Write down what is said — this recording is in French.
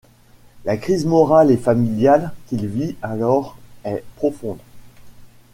La crise morale et familiale qu'il vit alors est profonde.